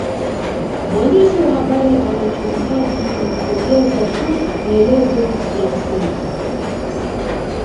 Mwandishi wa habari anachohitaji ni kuongeza tu maelezo ya msingi